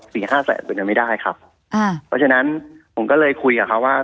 ห้าแสนส่วนยังไม่ได้ครับอ่าเพราะฉะนั้นผมก็เลยคุยกับเขาว่า